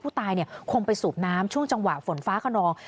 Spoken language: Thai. ตายคงไปสูบน้ำช่วงจังหวะฝนฟ้าขนอง